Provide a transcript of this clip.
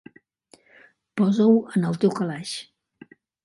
Posa-ho en el teu calaix.